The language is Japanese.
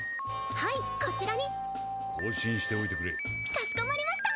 はいこちらに更新しておいてくれかしこまりました！